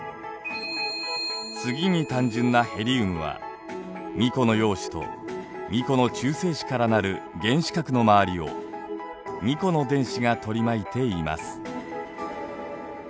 次に単純なヘリウムは２個の陽子と２個の中性子から成る原子核の周りを２個の電子が取り巻いています。